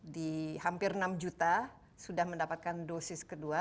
di hampir enam juta sudah mendapatkan dosis kedua